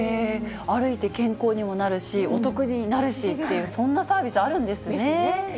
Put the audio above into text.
歩いて健康にもなるし、お得になるしっていう、そんなサービスあるんですね。ですね。